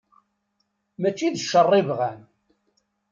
Mačči d cceṛ i bɣan.